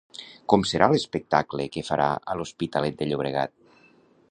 Com serà l'espectacle que farà a l'Hospitalet de Llobregat?